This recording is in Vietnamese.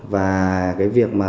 và cái việc mà